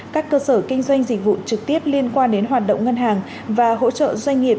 các cơ sở kinh doanh dịch vụ trực tiếp liên quan đến hoạt động ngân hàng và hỗ trợ doanh nghiệp